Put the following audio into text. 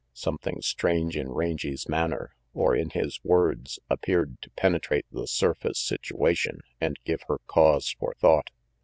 Some thing strange in Rangy's manner, or in his words, appeared to penetrate the surface situation and give her cause for thought.